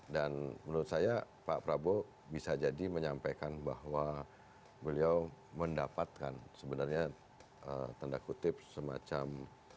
dan menurut saya pak prabowo bisa jadi menyampaikan bahwa beliau mendapatkan sebenarnya tanda kutip semacam